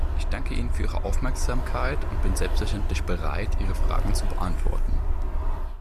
Ich danke Ihnen für Ihre Aufmerksamkeit und bin selbstverständlich bereit, Ihre Fragen zu beantworten.